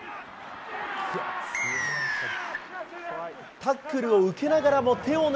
タックルを受けながらも、手を伸